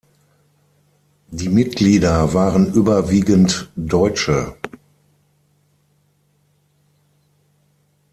Die Mitglieder waren überwiegend Deutsche.